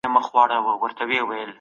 ښکېلاک د ولسونو دښمن دی.